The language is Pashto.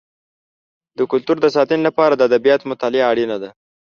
د کلتور د ساتنې لپاره د ادبیاتو مطالعه اړینه ده.